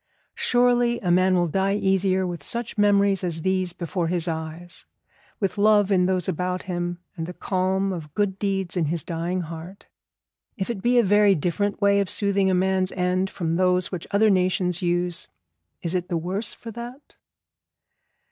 Surely a man will die easier with such memories as these before his eyes, with love in those about him, and the calm of good deeds in his dying heart. If it be a different way of soothing a man's end from those which other nations use, is it the worse for that?